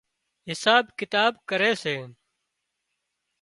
حساب ڪتاب ڪري سي